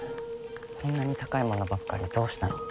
こんなに高いものばっかりどうしたの？